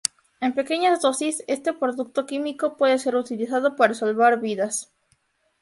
En pequeñas dosis, este producto químico, puede ser utilizado para salvar vidas.